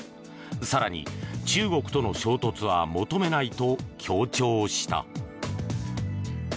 更に、中国との衝突は求めないと強調した。